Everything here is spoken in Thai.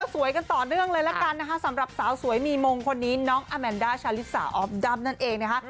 สวยกันต่อเนื่องเลยละกันนะคะสำหรับสาวสวยมีมงคนนี้น้องอาแมนด้าชาลิสาออฟดัมนั่นเองนะคะ